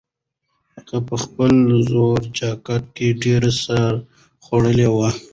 هغه په خپل زوړ جاکټ کې ډېر ساړه خوړلي وو.